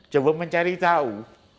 coba mencari tahu